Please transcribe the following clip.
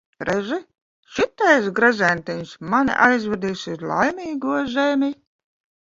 Redzi, šitais gredzentiņš mani aizvedīs uz Laimīgo zemi.